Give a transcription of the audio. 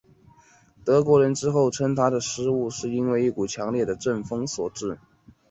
德国人之后称他的失误是因为一股强烈的阵风所致。